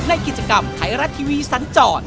ในกิจกรรมไทยรัฐทีวีสันจร